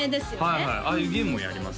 はいはいああいうゲームもやります